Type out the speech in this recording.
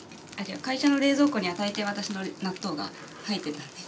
会社の冷蔵庫にはたいてい私の納豆が入っていたので。